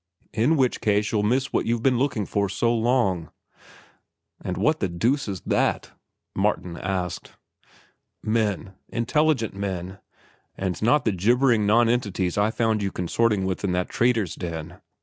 "In which case you'll miss what you've been looking for so long." "And what the deuce is that?" Martin asked. "Men, intelligent men, and not the gibbering nonentities I found you consorting with in that trader's den.